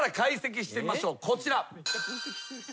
こちら。